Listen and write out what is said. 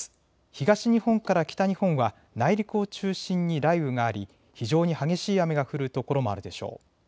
東日本から北日本は内陸を中心に雷雨があり非常に激しい雨が降る所もあるでしょう。